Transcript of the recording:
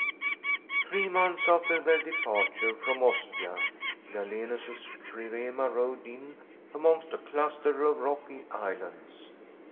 Three months after their departure from Ostia, Galenus's trirema rowed in amongst a cluster of rocky islands.